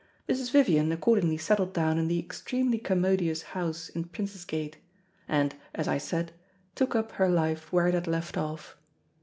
Mrs. Vivian accordingly settled down in the "extremely commodious" house in Prince's Gate, and, as I said, took up her life where it had left off.